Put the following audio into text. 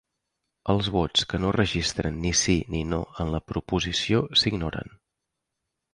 Els vots que no registren ni "sí" ni "no" en la proposició s'ignoren.